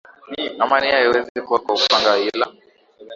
amani haiwezi kuja kwa upanga ila